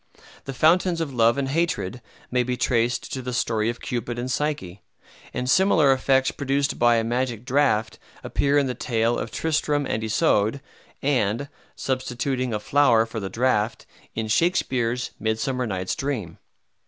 The fountains of Love and Hatred may be traced to the story of Cupid and Psyche; and similar effects produced by a magic draught appear in the tale of Tristram and Isoude, and, substituting a flower for the draught, in Shakspeare's "Midsummer Night's Dream."